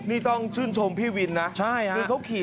นี่ต้องชื่นชมพี่วินนะคือเขาขี่